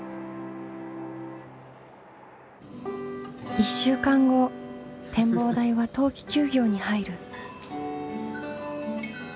１週間後展望台は冬期休業に入る。